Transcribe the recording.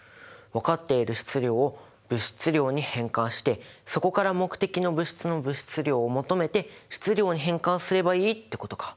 分かっている質量を物質量に変換してそこから目的の物質の物質量を求めて質量に変換すればいいってことか。